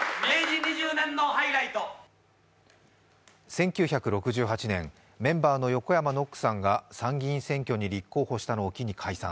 １９６８年、メンバーの横山ノックさんが参議院選挙に立候補したのを機に解散。